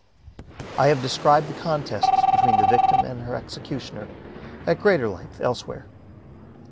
I have described the contests between the victim and her executioner, at greater length, elsewhere.